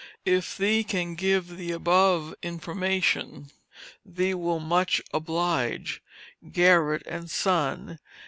If thee can give the above information, thee will much oblige GARRETT & SON.